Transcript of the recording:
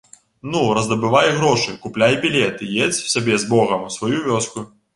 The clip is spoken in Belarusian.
Ну, раздабывай грошы, купляй білет і едзь сабе з богам у сваю вёску.